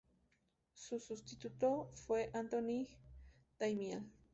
Su sustituto fue Antoni Daimiel.